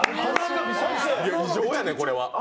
異常やねん、これは。